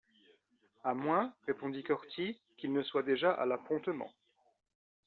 À moins, répondit Corty, qu’ils ne soient déjà à l’appontement...